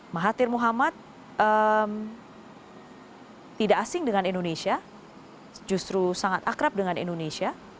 mahathir muhammad tidak asing dengan indonesia justru sangat akrab dengan indonesia